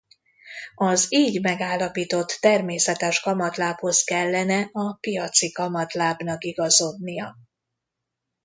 Az így megállapított természetes kamatlábhoz kellene a piaci kamatlábnak igazodnia.